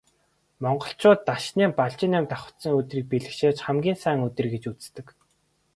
Монголчууд Дашням, Балжинням давхацсан өдрийг бэлгэшээж хамгийн сайн өдөр гэж үздэг.